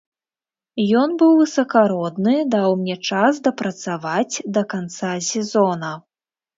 Ён быў высакародны, даў мне час дапрацаваць да канца сезона.